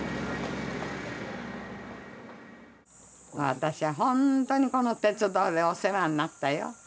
私は本当にこの鉄道にはお世話になったよ。